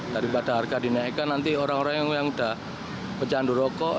daripada harga dinaikkan nanti orang orang yang sudah mencandu rokok